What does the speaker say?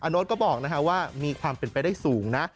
โน๊ตก็บอกว่ามีความเป็นไปได้สูงนะ